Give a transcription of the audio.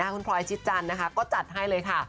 คุณพลอยชิดจันทร์จัดให้เลยค่ะ